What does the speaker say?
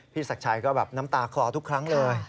พี่สักชัยก็แบบน้ำตากล่อทุกครั้งเลย